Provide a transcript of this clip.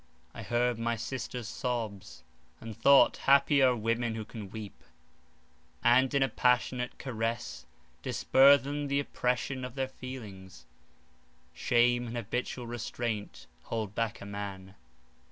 I heard my sister's sobs, and thought, happy are women who can weep, and in a passionate caress disburthen the oppression of their feelings; shame and habitual restraint hold back a man.